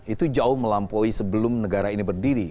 itu jauh melampaui sebelum negara ini berdiri